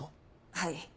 はい。